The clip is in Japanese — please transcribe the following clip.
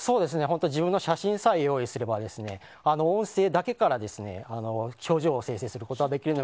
本当に自分の写真さえ用意すれば音声だけから表情を生成することができます